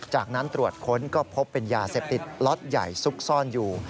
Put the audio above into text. จากนั้นตรวจค้นก็พบเป็นยาเสพติดล็อตใหญ่ซุกซ่อนอยู่